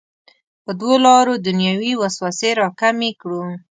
په دوو لارو دنیوي وسوسې راکمې کړو.